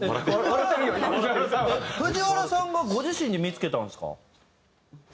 えっ藤原さんがご自身で見付けたんですか？